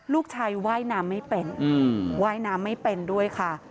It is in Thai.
ลูกชายว่ายน้ำไม่เป็นว่ายน้ำไม่เป็นด้วยค่ะ